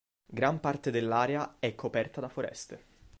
Gran parte dell'area è coperta da foreste.